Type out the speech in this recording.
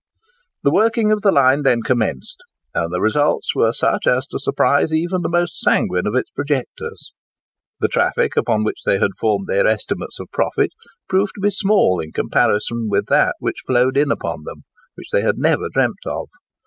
The working of the line then commenced, and the results were such as to surprise even the most sanguine of its projectors. The traffic upon which they had formed their estimates of profit proved to be small in comparison with that which flowed in upon them which they had never dreamt of.